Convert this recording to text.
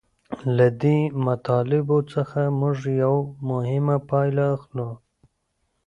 له دې مطالبو څخه موږ یوه مهمه پایله اخلو